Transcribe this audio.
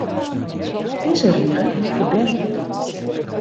Dizze rige ferbergje.